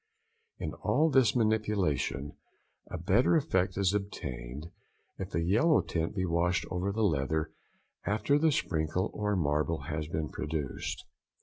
In all this manipulation a better effect is obtained if a yellow tint be washed over the leather after the sprinkle or marble has been produced.